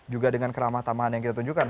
juga dengan keramah tamahan yang kita tunjukkan